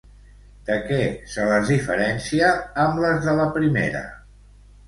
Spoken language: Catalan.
De què se les diferencia amb les de la primera?